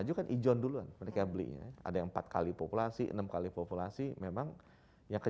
jangan lupa like bro